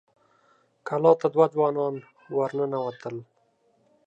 کلا ته دوه ځوانان ور ننوتل.